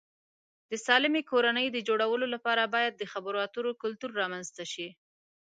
د سالمې کورنۍ د جوړولو لپاره باید د خبرو اترو کلتور رامنځته شي.